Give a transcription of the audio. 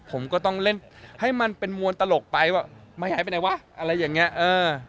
ผมก็ต้องเล่นให้มันเป็นมวลตลกไปว่าไม่หายไปไหนวะอะไรอย่างเงี้เออ